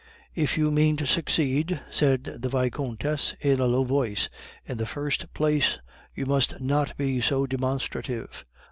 "If you mean to succeed," said the Vicomtesse in a low voice, "in the first place you must not be so demonstrative."